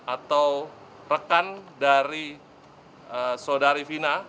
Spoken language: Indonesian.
atau rekan dari saudari vina